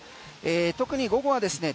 特に午後はですね